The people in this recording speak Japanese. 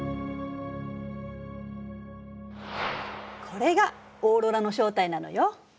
これがオーロラの正体なのよ。